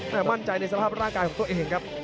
แต่มั่นใจในสภาพร่างกายของตัวเองครับ